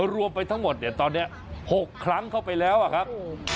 รวมไปทั้งหมดเนี่ยตอนนี้๖ครั้งเข้าไปแล้วอะครับ